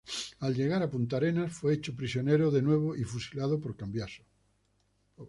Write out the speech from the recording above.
Al llegar a Punta Arenas fue hecho prisionero de nuevo y fusilado por Cambiaso.